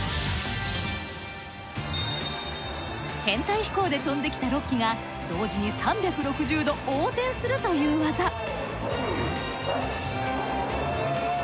編隊飛行で飛んできた６機が同時に３６０度横転するという技。